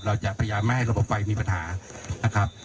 เราจะพยายามไม่ให้ระบบไฟมีปัญหานะครับ